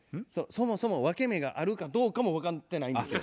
そもそも分け目があるかどうかも分かってないんですよ。